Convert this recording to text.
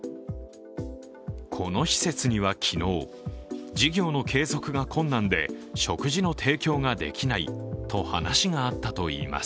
この施設には昨日、事業の継続が困難で食事の提供ができないと話があったといいます